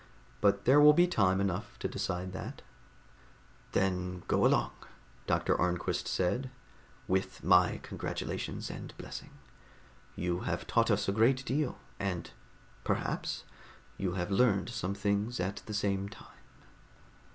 But there will be time enough to decide that." "Then go along," Dr. Arnquist said, "with my congratulations and blessing. You have taught us a great deal, and perhaps you have learned some things at the same time."